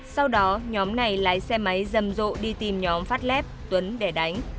sau đó nhóm này lái xe máy dầm rộ đi tìm nhóm phát lép tuấn để đánh